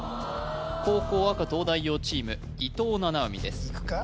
後攻赤東大王チーム伊藤七海ですいくか？